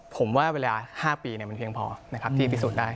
ผมว่าเวลา๕ปีมันเพียงพอนะครับที่พิสูจน์ได้